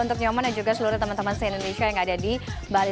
untuk nyoman dan juga seluruh teman teman se indonesia yang ada di bali